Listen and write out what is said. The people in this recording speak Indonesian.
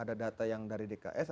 ada data yang non dtks yang dari daerah